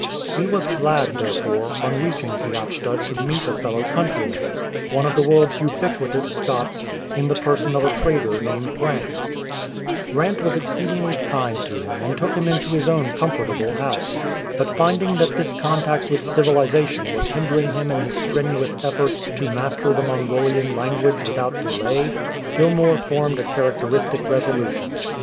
He was glad, therefore, on reaching Kiachta to meet a fellow country man, one of the world's ubiquitous Scots, in the person of a trader named Grant. Grant was exceedingly kind to him, and took him into his own comfortable house. But finding that this contact with civilization was hindering him in his strenuous efforts to master the Mongolian language without delay, Gilmour formed a characteristic resolution.